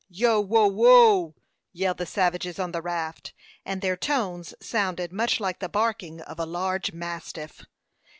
"Ho, wo, wo!" yelled the savages on the raft; and their tones sounded much like the barking of a large mastiff.